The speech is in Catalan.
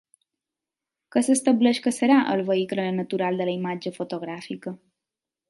Què s'estableix que serà el vehicle natural de la imatge fotogràfica?